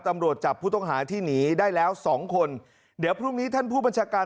ตำรวจจับผู้ต้องหาที่หนีได้แล้วสองคนเดี๋ยวพรุ่งนี้ท่านผู้บัญชาการ